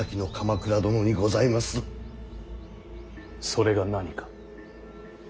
それが何か。